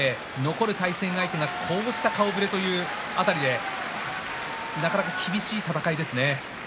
残る対戦相手がこうした顔ぶれという辺りでなかなか厳しい戦いですね。